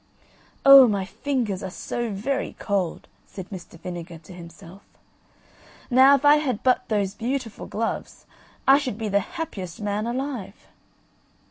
"Oh, my fingers are so very cold," said Mr. Vinegar to himself. "Now if I had but those beautiful gloves I should be the happiest man alive."